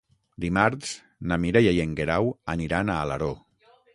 Dimarts na Mireia i en Guerau aniran a Alaró.